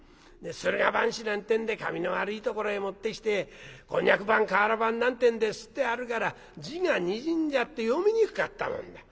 それが半紙なんてんで紙の悪いところへもってきて蒟蒻版瓦版なんてんで刷ってあるから字がにじんじゃって読みにくかったもんだ。